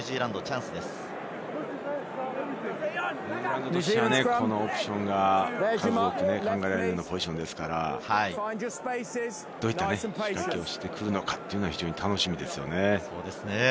ニュージーランドとしては、このオプションが数多く考えられるポジションですから、どういった仕掛けをしてくるのか非常に楽しみですね。